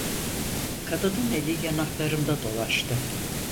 Kadının eli yanaklarımda dolaştı.